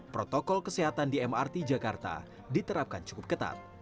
protokol kesehatan di mrt jakarta diterapkan cukup ketat